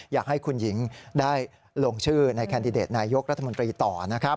อยากให้คุณหญิงได้ลงชื่อในแคนดิเดตนายกรัฐมนตรีต่อนะครับ